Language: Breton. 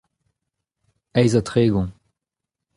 eizh ha tregont.